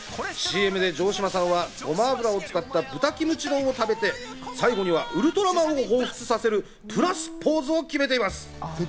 ＣＭで城島さんはごま油を使った豚キムチ丼を食べて、最後にはウルトラマンを彷彿させるプラスポーズをきめています。